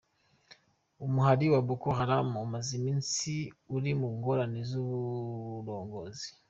Umuhari wa Boko Haram umaze imisi uri mu ngorane z’uburongozi.